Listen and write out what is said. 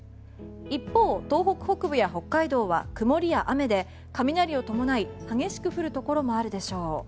一方、東北北部や北海道は曇りや雨で雷を伴い、激しく降るところもあるでしょう。